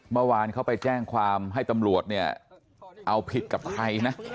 เมื่อวานเขาไปแจ้งความให้ตำรวจเนี่ยเอาผิดกับใครนะ